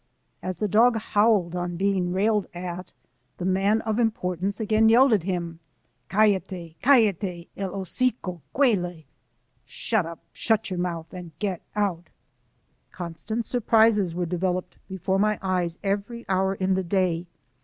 " As the dog howled on being railed at, the man of importance again yelled at him, " Callate! callate el octcOy cuele !"( Shut up — shut your mouth, and get out !") Constant surprises were developed before my eyes every hour in the day.